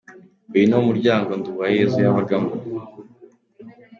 Uyu ni wo muryango Nduwayezu yabagamo.